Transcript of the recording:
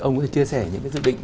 ông có thể chia sẻ những dự định